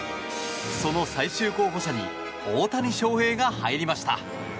その最終候補者に大谷翔平が入りました。